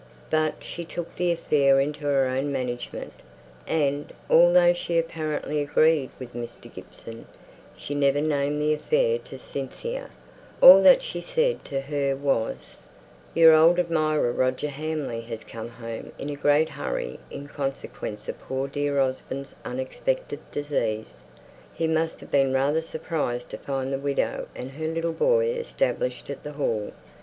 But she took the affair into her own management, and, although she apparently agreed with Mr. Gibson, she never named the affair to Cynthia; all that she said to her was "Your old admirer, Roger Hamley, has come home in a great hurry, in consequence of poor dear Osborne's unexpected decease. He must have been rather surprised to find the widow and her little boy established at the Hall.